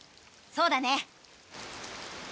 そうだね。